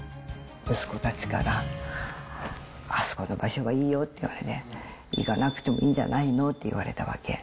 息子たちからあそこの場所がいいよってね、行かなくてもいいんじゃないのって言われたわけ。